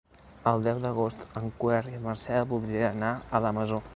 El deu d'agost en Quer i en Marcel voldrien anar a la Masó.